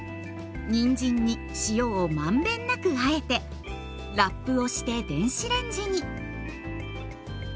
にんじんに塩を満遍なくあえてラップをして電子レンジに。